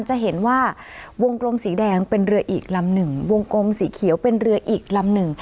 คุณค้าจะเห็นว่าวงกรมสีแดงเป็นเรืออีกลำ๑วงกรมสีเขียวเป็นเรืออีกลำ๑